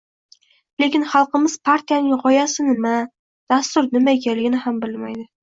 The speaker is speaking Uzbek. Lekin xalqimiz partiyaning g'oyasi nima, dastur nima ekanligini ham bilmaydi